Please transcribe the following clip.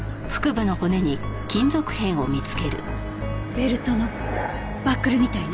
ベルトのバックルみたいね。